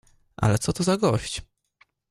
"Ale co to za gość?"